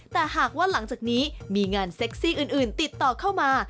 แต่หากว่าหลังจากนี้มีงานเซ็กซี่อื่นติดต่อเข้ามา